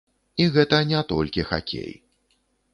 І гэта не толькі хакей.